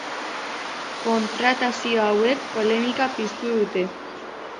Kontratazio hauek polemika piztu dute.